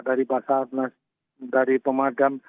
dari pasar dari pemagam